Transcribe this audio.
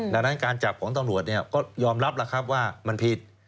ดังนั้นการจับของตำรวจก็ยอมรับแล้วครับว่ามันผิด